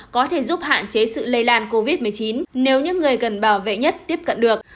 có thể giúp hạn chế sự lây lan covid một mươi chín nếu những người cần bảo vệ nhất tiếp cận được